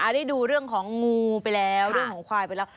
ได้ดูเรื่องของงูไปแล้วเรื่องของควายไปแล้ว